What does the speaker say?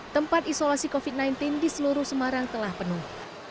tempat isolasi covid sembilan belas di seluruh semarang telah penuh